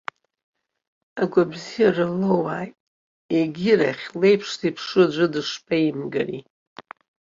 Агәабзиара лоуааит, егьирахь леиԥш зеиԥшу аӡәы дышԥеимгари!